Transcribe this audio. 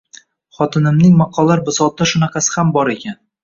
Xotinimning maqollar bisotida shunaqasi ham bor ekan